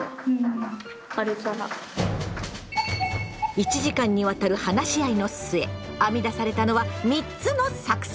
１時間にわたる話し合いの末編み出されたのは３つの作戦！